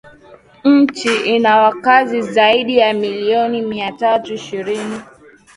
Nchi ina wakazi zaidi ya milioni miatatu ishirini